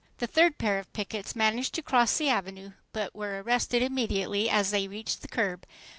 The third pair of pickets managed to cross the Avenue, but were arrested immediately they reached the curb.